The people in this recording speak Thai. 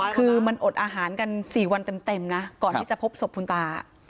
คือมันอดอาหารกัน๔วันเต็มนะก่อนที่จะพบศพคุณตา